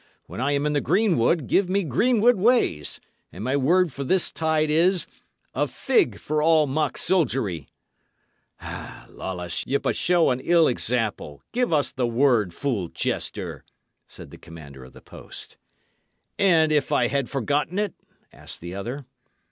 When I am in the greenwood, give me greenwood ways; and my word for this tide is: 'A fig for all mock soldiery!'" "Lawless, ye but show an ill example; give us the word, fool jester," said the commander of the post. "And if I had forgotten it?" asked the other.